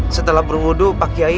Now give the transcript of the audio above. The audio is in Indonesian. setelah berwudu pak kiai